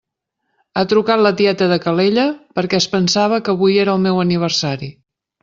Ha trucat la tieta de Calella perquè es pensava que avui era el meu aniversari.